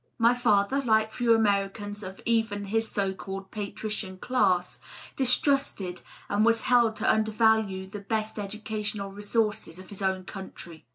My father, like few Americans of even his so called patrician class, distrusted and was held to undervalue the best educational resources of his own country.